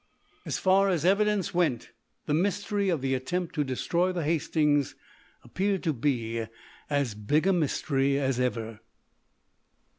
As far as evidence went the mystery of the attempt to destroy the "Hastings" appeared to be as big a mystery as ever.